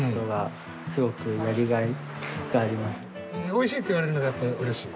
「おいしい」って言われるのがやっぱうれしい？